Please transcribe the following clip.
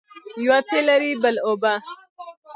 یوه تېل لري بل اوبه.